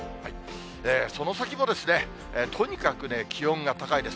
その先もとにかく気温が高いです。